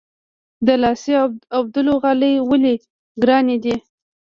د لاسي اوبدلو غالۍ ولې ګرانې دي؟